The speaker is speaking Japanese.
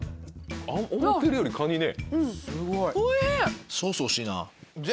思ってるよりカニね。